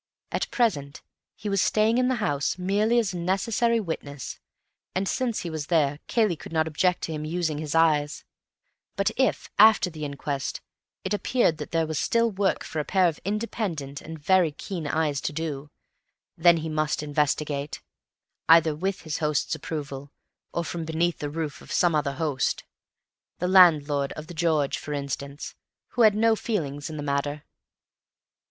At present he was staying in the house merely as a necessary witness, and, since he was there, Cayley could not object to him using his eyes; but if, after the inquest, it appeared that there was still work for a pair of independent and very keen eyes to do, then he must investigate, either with his host's approval or from beneath the roof of some other host; the landlord of 'The George,' for instance, who had no feelings in the matter.